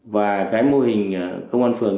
và cái mô hình công an phường